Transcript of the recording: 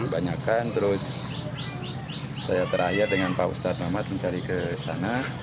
banyak kan terus saya terayat dengan pak ustadz muhammad mencari ke sana